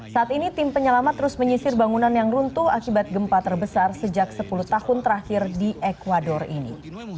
saat ini tim penyelamat terus menyisir bangunan yang runtuh akibat gempa terbesar sejak sepuluh tahun terakhir di ecuador ini